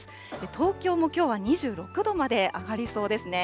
東京もきょうは２６度まで上がりそうですね。